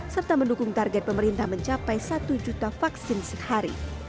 serta mendukung target pemerintah mencapai satu juta vaksin sehari